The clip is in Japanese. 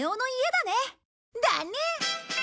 だね！